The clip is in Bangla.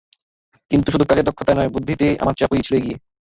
কিন্তু শুধু কাজের দক্ষতায় নয়, বুদ্ধিতেও আমার চেয়ে আপুই ছিল এগিয়ে।